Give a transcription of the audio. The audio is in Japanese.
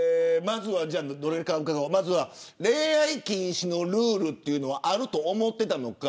まずは恋愛禁止のルールというのはあると思っていたのか